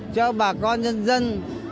cho bà con dân dân